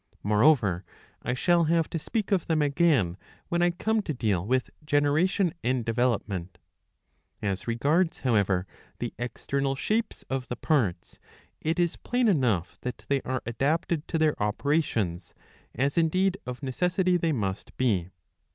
Moreover I shall have to speak of them again when I come to deal with Generation and Development. As regards, however, the external shapes of the parts, it is plain enough that they are adapted to their 689a. IV. 10. 123 operations, as indeed of necessity they must be.